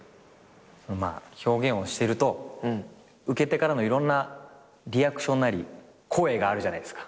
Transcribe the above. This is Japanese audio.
まあ表現をしてると受け手からのいろんなリアクションなり声があるじゃないですか。